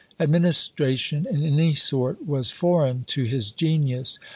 Administration in any sort was foreign to his genius.